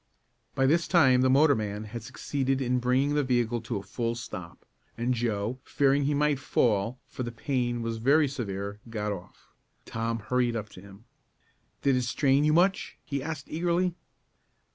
By this time the motorman had succeeded in bringing the vehicle to a full stop and Joe, fearing he might fall, for the pain was very severe, got off. Tom hurried up to him. "Did it strain you much?" he asked eagerly.